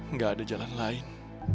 nggak ada jalan lain